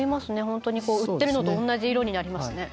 本当に売ってるのと同じ色になりますね。